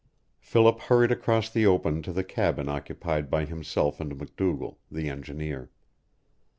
Philip hurried across the open to the cabin occupied by himself and MacDougall, the engineer.